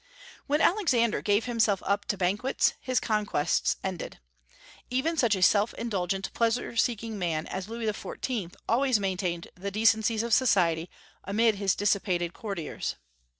When Alexander gave himself up to banquets, his conquests ended. Even such a self indulgent, pleasure seeking man as Louis XIV. always maintained the decencies of society amid his dissipated courtiers.